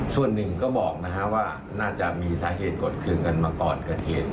ส่วนหนึ่งก็บอกว่าน่าจะมีสาเหตุกดขึงกันมาก่อนเกิดเหตุ